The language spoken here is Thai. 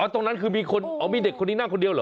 ตรงนั้นคือมีคนเอามีเด็กคนนี้นั่งคนเดียวเหรอ